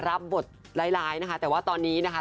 รับบทร้ายนะคะแต่ว่าตอนนี้นะคะ